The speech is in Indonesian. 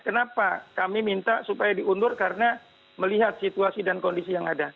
kenapa kami minta supaya diundur karena melihat situasi dan kondisi yang ada